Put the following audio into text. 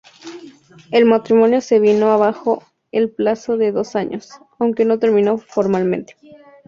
El matrimonio se vino abajo el plazo de dos años, aunque no terminó formalmente.